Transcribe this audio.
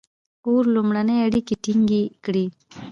• اور لومړنۍ اړیکې ټینګې کړې.